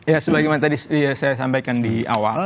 ya sebagaimana tadi saya sampaikan di awal